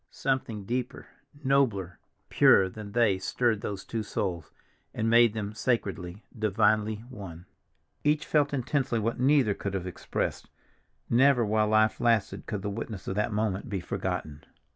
Something deeper, nobler, purer than they stirred those two souls, and made them sacredly, divinely one. Each felt intensely what neither could have expressed. Never, while life lasted, could the witness of that moment be forgotten.